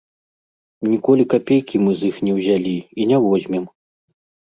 Ніколі капейкі мы з іх не ўзялі і не возьмем.